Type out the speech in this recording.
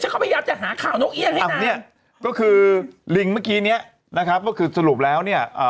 ก็คือลิงเมื่อกี้นี้นะครับก็คือสรุปแล้วเนี่ยอ่า